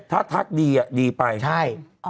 ถ้าทักดีดีไปใช่